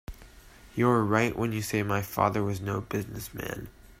You're right when you say my father was no business man.